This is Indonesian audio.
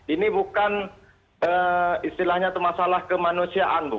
ini bukan istilahnya atau masalah kemanusiaan bu